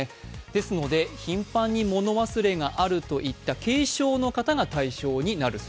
ですので、頻繁に物忘れがあるといった軽症の方が対象です。